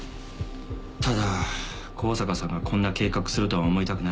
ただ香坂さんがこんな計画するとは思いたくない。